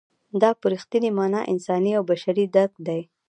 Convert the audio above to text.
دا په رښتینې مانا انساني او بشري درک دی.